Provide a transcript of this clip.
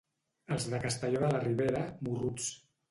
Els de Castelló de la Ribera, morruts.